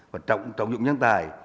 và trọng dụng nhân tài